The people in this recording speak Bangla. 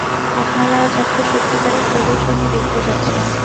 আপনারা আজ একটা সত্যিকারের প্রদর্শনী দেখতে যাচ্ছেন।